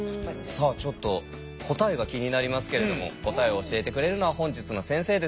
さあちょっと答えが気になりますけれども答えを教えてくれるのは本日の先生です。